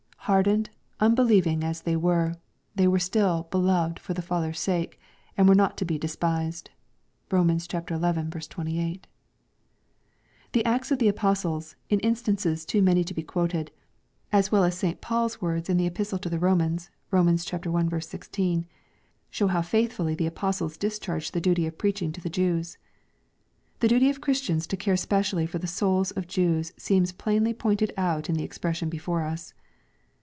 Hardened, unbelieving as they were, they were still "beloved for the Father's sake," and were not to be despised (Rom. XL 28.) The Acts of the Apostles, in instances too many to be quoted, as well as St. Paul's words in the Epistle to the Romans, (Rom. i. 16,) show how faithfully the apostles discharged the duty of preaching to the Jews. The duty of Christians to care specially for the souls of Jews seems plainly pointed out in the expression before us.